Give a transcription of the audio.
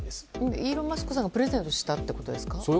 イーロン・マスクさんがプレゼントしたということですか。